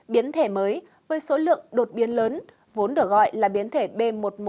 biến thể mới với số lượng đột biến lớn vốn được gọi là biến thể b một một năm trăm hai mươi chín